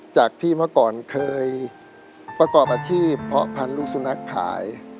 จากที่เมื่อก่อนเคยประกอบอาชีพเพาะพันธุ์ลูกสุนัขขาย